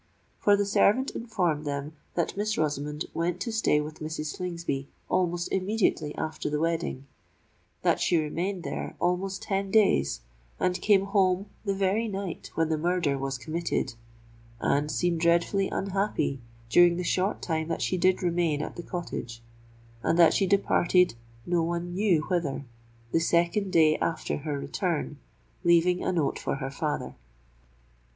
For the servant informed them that Miss Rosamond went to stay with Mrs. Slingsby almost immediately after the wedding—that she remained there almost ten days, and came home the very night when the murder was committed, and seemed dreadfully unhappy during the short time that she did remain at the Cottage—and that she departed no one knew whither, the second day after her return, leaving a note for her father.